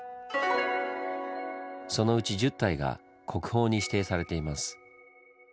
そのうち１０体が国宝に指定されています。